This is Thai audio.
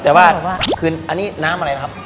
แต่ว่าคืออันนี้น้ำอะไรนะครับ